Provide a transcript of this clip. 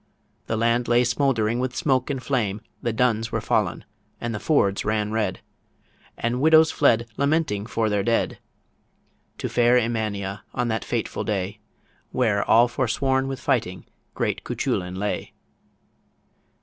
The land lay smouldering with smoke and flame; The duns were fallen and the fords ran red; And widows fled, lamenting for their dead, To fair Emania on that fateful day, Where all forsworn with fighting great Cuchullin lay.